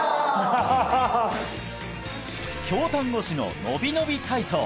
京丹後市の「のびのび体操」